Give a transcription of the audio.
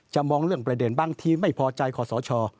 มองเรื่องประเด็นบางทีไม่พอใจขอสช